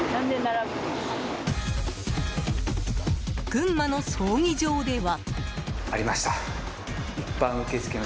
群馬の葬儀場では。